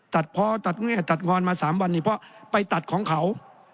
ตัดพอตัดแง่ตัดงอนมา๓วันนี้เพราะไปตัดของเขา